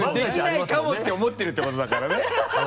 できないかもって思ってるってことだからね